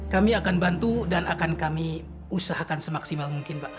kami akan bantu dan akan kami usahakan semaksimal mungkin pak